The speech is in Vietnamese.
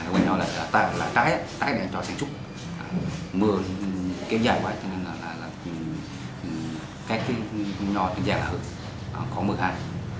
cây nho là trái trái để cho sáng trúc mưa kém dài quá cho nên là các cây nho kém dài là có mưa hại